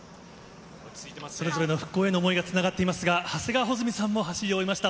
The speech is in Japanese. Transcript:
それぞれの復興への想いがつながっていますが、長谷川穂積さんも走り終えました。